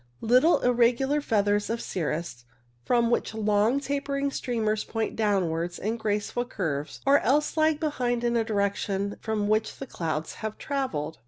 Little irregular feathers of cirrus, from which long tapering streamers point downwards in graceful curves, or else lag behind in the direction from which the clouds have travelled.